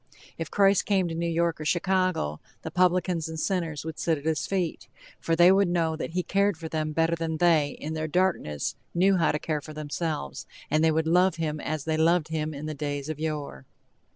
If Christ came to New York or Chicago, the publicans and sinners would sit at his feet! For they would know that he cared for them better than they in their darkness knew how to care for themselves, and they would love him as they loved him in the days of yore.